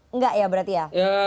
enggak ya berarti ya